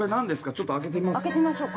ちょっと開けてみますか？